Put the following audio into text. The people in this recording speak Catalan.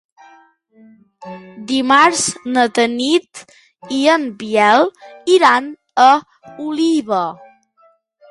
Dimarts na Tanit i en Biel iran a Oliva.